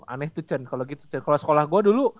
aneh tuh cucen kalau sekolah gue dulu